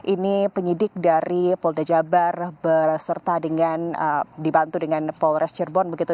ini penyidik dari polda jabar berserta dengan dibantu dengan polres cirebon begitu